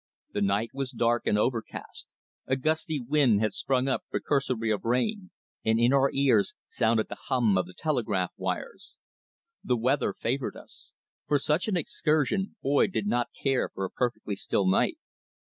The night was dark and overcast, a gusty wind had sprung up precursory of rain, and in our ears sounded the hum of the telegraph wires. The weather favoured us. For such an excursion Boyd did not care for a perfectly still night.